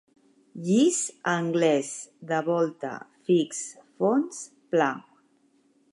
Lliç anglès, de volta, fix, fons, pla.